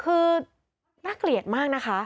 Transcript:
คือน่าเกลียดมากนะคะ